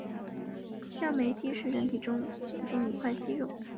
降眉肌是人体其中一块肌肉。